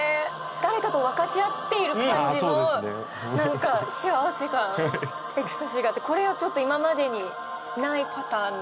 誰かと分かち合っている感じのなんか幸せ感エクスタシーがあってこれはちょっと今までにないパターンの。